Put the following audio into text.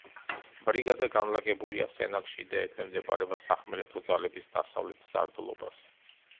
ბრიგადა განლაგებულია სენაკში და ექვემდებარება სახმელეთო ძალების დასავლეთ სარდლობას.